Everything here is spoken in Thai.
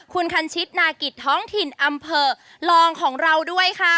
คุณคันชิตนากิจท้องถิ่นอำเภอลองของเราด้วยค่ะ